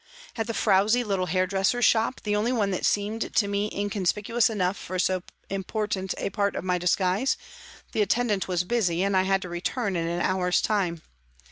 At the frowzy little hairdresser's shop, the only one that seemed to me inconspicuous enough for so important a part of my disguise, the attendant was busy, and I had to return in an hour's time.